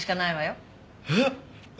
えっ？